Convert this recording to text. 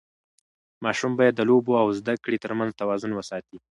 ماشوم باید د لوبو او زده کړې ترمنځ توازن وساتي.